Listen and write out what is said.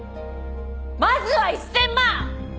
まずは１０００万！